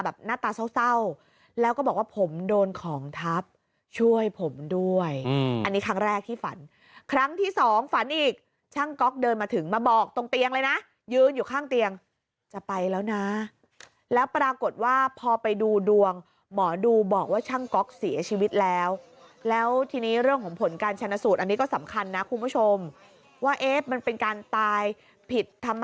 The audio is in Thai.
หน้าตาเศร้าแล้วก็บอกว่าผมโดนของทับช่วยผมด้วยอันนี้ครั้งแรกที่ฝันครั้งที่สองฝันอีกช่างก๊อกเดินมาถึงมาบอกตรงเตียงเลยนะยืนอยู่ข้างเตียงจะไปแล้วนะแล้วปรากฏว่าพอไปดูดวงหมอดูบอกว่าช่างก๊อกเสียชีวิตแล้วแล้วทีนี้เรื่องของผลการชนะสูตรอันนี้ก็สำคัญนะคุณผู้ชมว่าเอ๊ะมันเป็นการตายผิดทำ